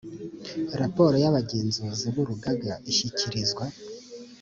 raporo y abagenzuzi b urugaga ishyikirizwa